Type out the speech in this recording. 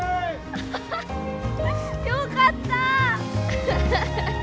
アハハッよかった！